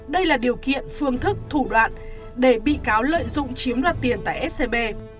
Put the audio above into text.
đây là điều kiện phương thức thủ đoạn để bị cáo lợi dụng chiếm đoạt tiền tại scb